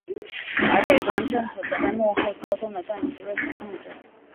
而北方政府则被幕后操纵的段祺瑞所控制。